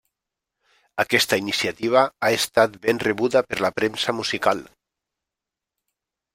Aquesta iniciativa ha estat ben rebuda per la premsa musical.